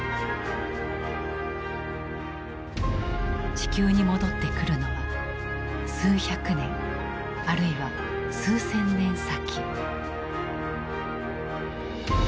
地球に戻ってくるのは数百年あるいは数千年先。